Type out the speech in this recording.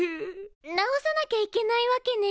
治さなきゃいけないわけね。